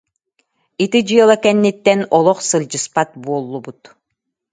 Ити дьыала кэнниттэн олох сылдьыспат буоллубут